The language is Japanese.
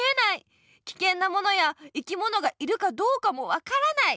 きけんなものや生きものがいるかどうかもわからない。